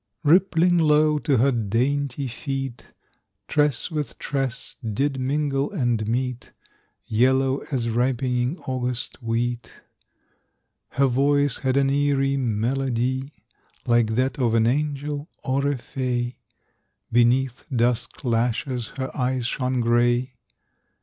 _) Rippling low to her dainty feet, Tress with tress did mingle and meet, Yellow as ripening August wheat. Her voice had an eerie melody, Like that of an angel or a fay. Beneath dusk lashes her eyes shone gray.